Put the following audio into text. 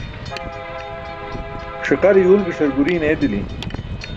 Ṣiqare yuwlgiṣar guriin eedili.